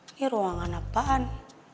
ini ruangan apaan